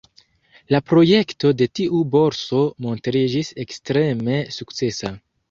La projekto de tiu Borso montriĝis ekstreme sukcesa.